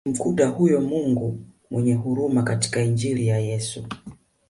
Alimkuta huyo Mungu mwenye huruma katika Injili ya Yesu